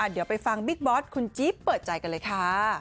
เดี๋ยวไปฟังบิ๊กบอสคุณจิ๊บเปิดใจกันเลยค่ะ